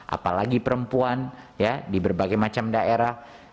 apalagi perempuan di berbagai macam daerah